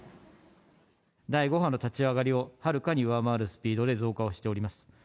第５波の立ち上がりをはるかに上回るスピードで増加をしております。